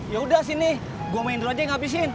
yaudah sini gue main dulu aja yang habisin